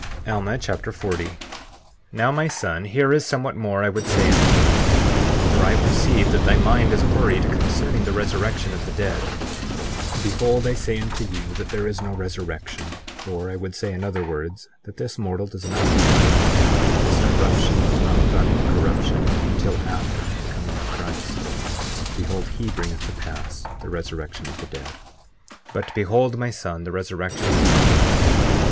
Alma Chapter 40 40:1 Now my son, here is somewhat more I would say unto thee; for I perceive that thy mind is worried concerning the resurrection of the dead. 40:2 Behold, I say unto you, that there is no resurrection—or, I would say, in other words, that this mortal does not put on immortality, this corruption does not put on incorruption—until after the coming of Christ. 40:3 Behold, he bringeth to pass the resurrection of the dead. But behold, my son, the resurrection is not yet.